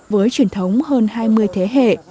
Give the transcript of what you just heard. với truyền thống hơn hai mươi thế hệ